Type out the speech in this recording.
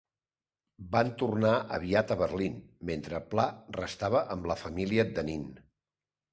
Van tornar aviat a Berlín, mentre Pla restava amb la família de Nin.